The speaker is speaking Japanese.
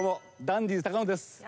ダンディ坂野です。